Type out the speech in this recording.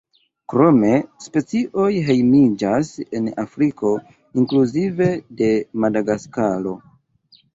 Krome specioj hejmiĝas en Afriko inkluzive de Madagaskaro.